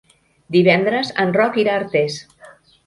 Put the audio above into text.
Divendres en Roc irà a Artés.